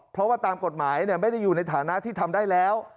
เพราะว่าตามกฎหมายไม่ได้อยู่ในฐานะที่ทำได้แล้ว